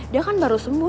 dia kan baru sembuh